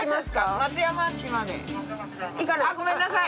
あっごめんなさい。